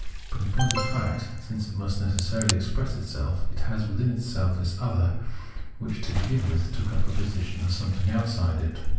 But, in point of fact, since it must necessarily express itself, it has within itself this other, which to begin with took up a position as something outside it.